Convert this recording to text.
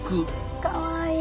かわいい！